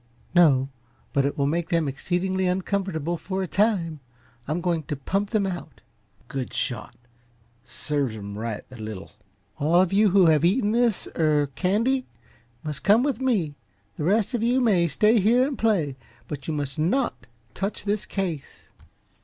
"No but it will make them exceedingly uncomfortable for a time I'm going to pump them out." "Good shot! Serves 'em right, the little " "All of you who have eaten this er candy, must come with me. The rest of you may stay here and play, but you must NOT touch this case."